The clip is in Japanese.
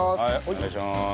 お願いします。